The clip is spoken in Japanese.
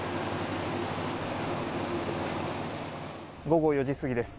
午後４時過ぎです。